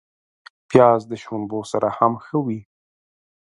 پیاز د شړومبو سره هم ښه وي